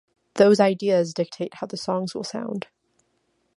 Those ideas dictate how the songs will sound.